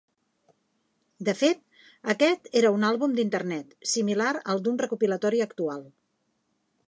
De fet, aquest era un àlbum d'Internet, similar al d'un recopilatori actual.